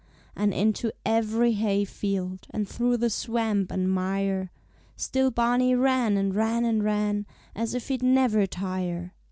And into every hay field And through the swamp and mire Still Barney ran and ran and ran As if he'd never tire!